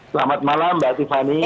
selamat malam mbak tiffany